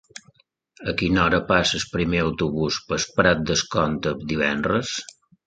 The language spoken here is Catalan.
A quina hora passa el primer autobús per Prat de Comte divendres?